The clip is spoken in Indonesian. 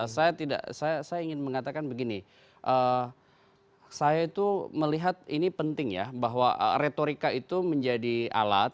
saya tidak saya ingin mengatakan begini saya itu melihat ini penting ya bahwa retorika itu menjadi alat